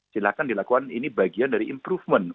silahkan dilakukan ini bagian dari improvement